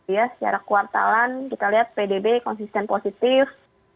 ya secara kuartalan kita lihat pdb konsisten positif